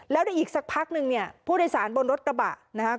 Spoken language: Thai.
แล้วในอีกสักพักนึงเนี่ยผู้โดยสารบนรถกระบะนะครับ